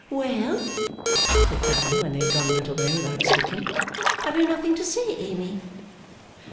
'Well?' said Fanny, when they had gone a little way without speaking. 'Have you nothing to say, Amy?